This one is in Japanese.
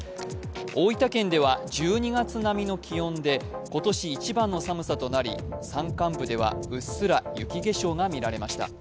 大分県では１２月並みの気温で今年一番の寒さとなり山間部ではうっすら雪化粧が見られました。